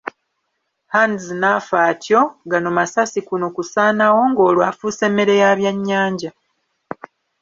Hands n'afa atyo, gano masasi kuno kusaanawo, ng'olwo afuuse mmere ya byannyanja.